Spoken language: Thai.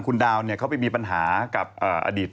คุณดาวน์เขาบี่มีปัญหากับอดีตแฟนของเขา